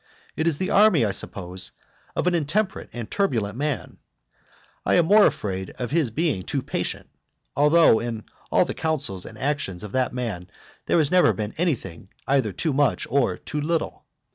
It is the army, I suppose, of an intemperate and turbulent man. I am more afraid of his being too patient, although in all the counsels and actions of that man there never has been anything either too much or too little.